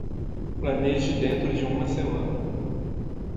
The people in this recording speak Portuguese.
Planeje dentro de uma semana